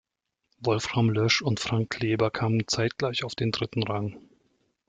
Wolfram Lösch und Frank Kleber kamen zeitgleich auf den dritten Rang.